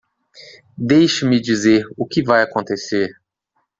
Deixe-me dizer o que vai acontecer.